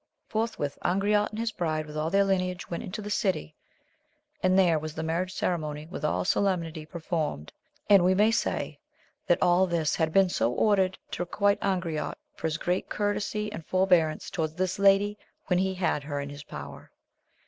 Forthwith Angriote and his bride with all their lineage went into the city, and there was the marriage ceremony with all solemnity performed ; and, we may say, that all this had been so ordered to requite Angriote for his great courtesy and forbearance towards this lady when he had her in his power.